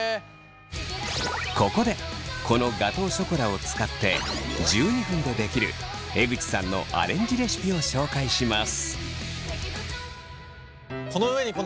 ここでこのガトーショコラを使って１２分でできる江口さんのアレンジレシピを紹介します。